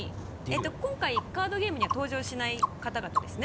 今回カードゲームには登場しない方々ですね。